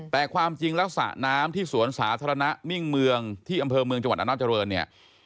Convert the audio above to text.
แต่ความจริงแล้วสระน้ำที่สวนสาธารณะมิ่งเมืองที่อำเภอเมืองจังหวัดอำนาจริงเนี่ย